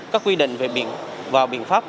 các quy định về biện pháp